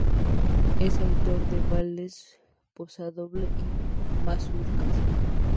Es autor de valses, pasodobles y mazurcas.